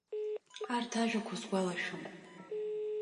Арҭ ажәақәа сгәалашәон.